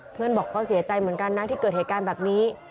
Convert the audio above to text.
เพื่อนบอกก็เสียใจเหมือนกันนะที่เกิดเหตุการณ์แบบนี้